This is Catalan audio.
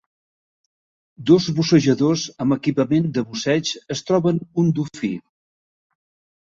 Dos bussejadors, amb equipament de busseig, es troben un dofí.